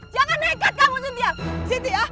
jangan nekat kamu cynthia